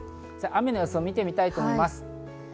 雨の予想を見てみたいと思います。